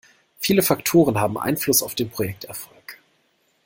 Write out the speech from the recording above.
Viele Faktoren haben Einfluss auf den Projekterfolg.